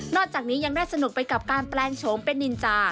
จากนี้ยังได้สนุกไปกับการแปลงโฉมเป็นนินจา